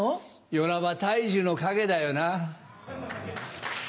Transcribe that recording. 「寄らば大樹の陰」だよな。